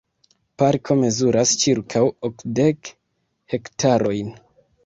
Parko mezuras ĉirkaŭ okdek hektarojn.